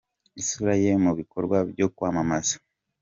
isura ye mu bikorwa byo kwamamaza.